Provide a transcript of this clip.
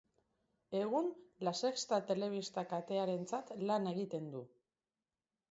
Egun La Sexta telebista-katearentzat lan egiten du.